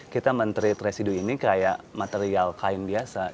kita mencari residu ini seperti material kayu biasa